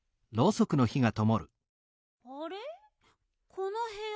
このへや。